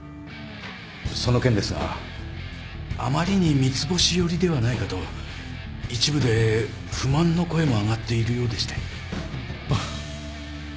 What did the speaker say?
その件ですがあまりに三ツ星寄りではないかと一部で不満の声も上がっているようでして。